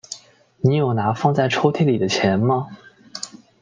你有拿放在抽屉里的钱吗？